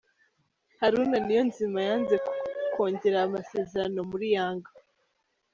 Haruna niyonzima yanze kongera amasezerano muri Yanga